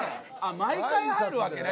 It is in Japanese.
毎回入るわけね